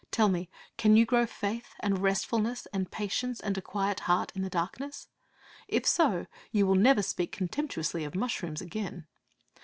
Tell me: Can you grow faith, and restfulness, and patience, and a quiet heart in the darkness? If so, you will never speak contemptuously of mushrooms again.